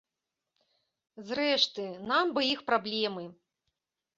Зрэшты, нам бы іх праблемы.